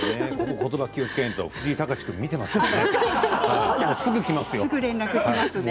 ことばに気をつけないと藤井隆君が見ていますからね。